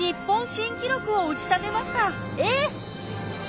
えっ！